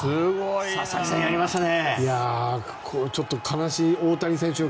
佐々木さんやりましたね。